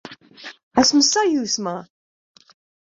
Esmu sajūsmā!